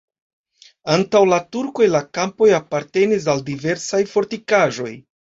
Antaŭ la turkoj la kampoj apartenis al diversaj fortikaĵoj.